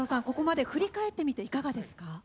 ここまで振り返ってみていかがですか？